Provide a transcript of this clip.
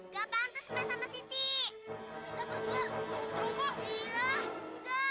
kalian tuh gak gondrong